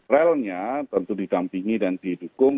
relnya tentu didampingi dan didukung